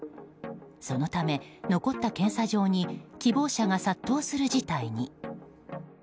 そのため、残った検査場に希望者が殺到する事態に。